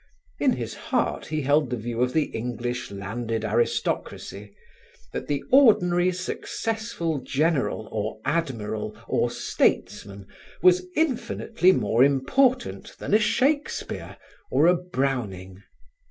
In his heart he held the view of the English landed aristocracy, that the ordinary successful general or admiral or statesman was infinitely more important than a Shakespeare or a Browning.